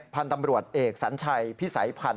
พันธุ์ตำรวจเอกสัญชัยพิสัยพันธ